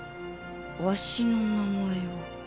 わしの名前を。